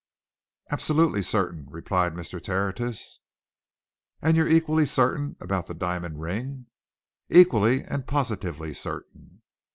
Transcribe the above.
"Absolutely certain," replied Mr. Tertius. "And you're equally certain about the diamond ring?" "Equally and positively certain!"